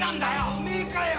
おめえかよ？